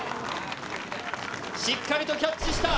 しっかりとキャッチした。